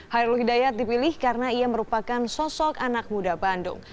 hairul hidayat dipilih karena ia merupakan sosok anak muda bandung